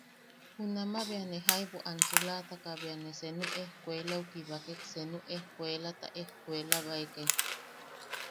Junama bea ne jaibu ansulataka bea ne senu ejkuelau ne kibakek senu ejkuelata ejkuelabaekai.